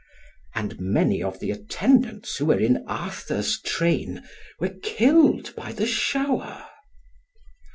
And many of the attendants who were in Arthur's train were killed by the shower.